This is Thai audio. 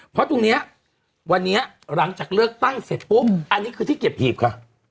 เพราะตรงนี้วันนี้หลังจากเลือกตั้งเสร็จปุ๊บอันนี้คือที่เก็บหีบค่ะ